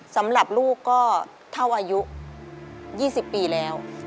สำหรับลูกก็เท่าอายุ๒๐ปีแล้ว